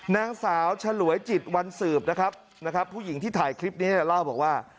นางสาวฉลวยจิตวันสืบนะครับนะครับผู้หญิงที่ถ่ายคลิปนี้เล่าบอกว่า